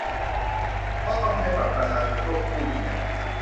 เพราะต้องใช้บัตรประชาชนควบคู่อยู่แล้ว